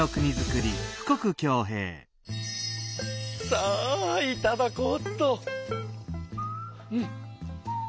さあいただこうっと。